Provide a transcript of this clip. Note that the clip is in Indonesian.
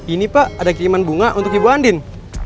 ini pak ada kiriman bunga untuk ibu andin